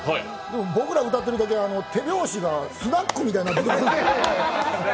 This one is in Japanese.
僕ら歌ってるときだけ、手拍子がスナックみたいになってた。